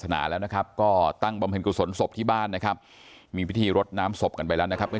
หาว่าตัวเองมีคนใหม่หรือเปล่า